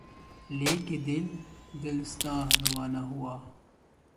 لے کے دل، دلستاں روانہ ہوا